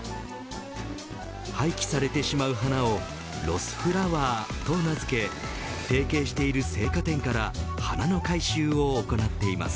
廃棄されてしまう花をロスフラワーと名付け提携している生花店から花の回収を行っています。